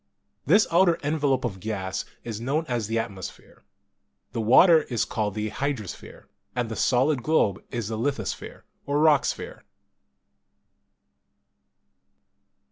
This outer envelope of gas is known as the atmosphere, the water is called the hydrosphere, and the solid globe is the lithosphere or rock sphere.